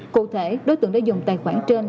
cụ thể đối tượng đã dùng tài khoản trên